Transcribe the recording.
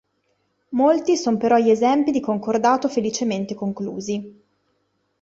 Molti son però gli esempi di concordato felicemente conclusi.